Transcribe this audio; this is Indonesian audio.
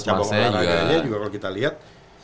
dan cabang cabangnya kalau kita liat